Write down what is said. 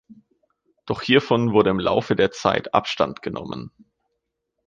Doch hiervon wurde im Laufe der Zeit Abstand genommen.